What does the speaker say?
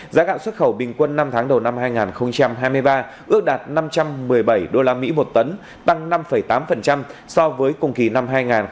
giá gạo xuất khẩu bình quân năm tháng đầu năm hai nghìn hai mươi ba ước đạt năm trăm một mươi bảy usd một tấn tăng năm tám so với cùng kỳ năm hai nghìn hai mươi hai